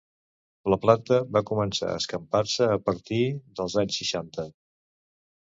La planta va començar a escampar-se a partir dels anys seixanta.